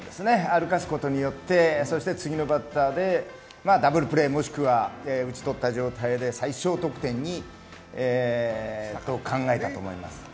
歩かすことでそして次のバッターでダブルプレー、もしくは打ち取った状態で、最小得点を考えたと思います。